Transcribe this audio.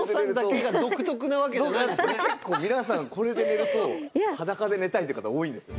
結構皆さんこれで寝ると裸で寝たいって方多いんですよ。